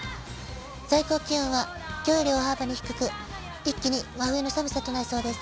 最高気温はきのうより大幅に低く、一気に真冬の寒さとなりそうです。